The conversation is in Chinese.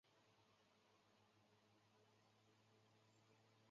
此时通用汽车的第一款产品已经进入了货运内燃机车市场。